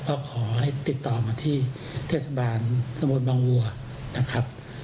ก็ขอให้ติดต่อมาที่เทศบาลตะบนบางวัวนะครับ